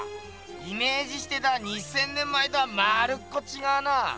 イメージしてた２，０００年前とはまるっこちがうな！